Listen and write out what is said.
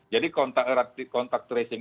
jadi kontak erat kontak tracing